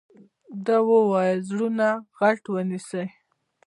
ده وويل زړونه غټ ونيسئ.